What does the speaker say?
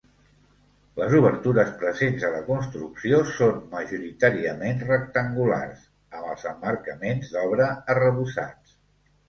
Les obertures presents a la construcció són majoritàriament rectangulars, amb els emmarcaments d'obra arrebossats.